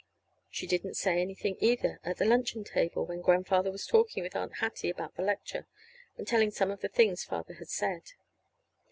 She didn't say anything, either, at the luncheon table, when Grandfather was talking with Aunt Hattie about the lecture, and telling some of the things Father had said.